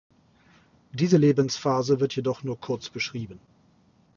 Diese Lebensphase wird jedoch nur kurz beschrieben.